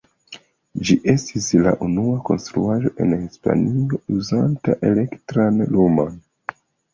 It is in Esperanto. Ĝi estis la unua konstruaĵo en Hispanio uzanta elektran lumon.